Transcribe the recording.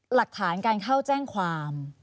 หลักฐานการเข้าแจ้งความ